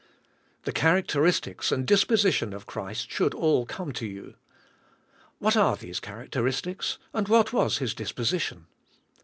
The characteristics and disposition of Christ should all come to you. What are these characteristics, and what was His disposition?